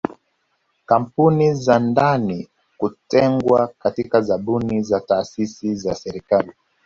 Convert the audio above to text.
Kampuni za ndani kutengwa katika zabuni na taasisi za serikali